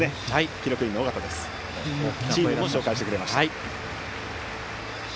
記録員の緒方はチームも紹介してくれました。